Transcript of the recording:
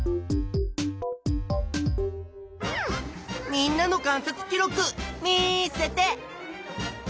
みんなの観察記録見せて！